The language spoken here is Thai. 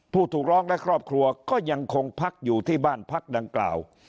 ผู้ถูกร้องและครอบครัวก็ยังคงพักอยู่ที่บ้านพักดังกล่าว